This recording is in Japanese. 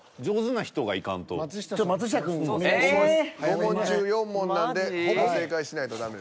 ５問中４問なんでほぼ正解しないとダメですね。